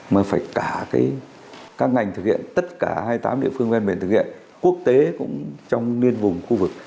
mà phải cả cái các ngành thực hiện tất cả hai tám địa phương ven biển thực hiện quốc tế cũng trong nguyên vùng khu vực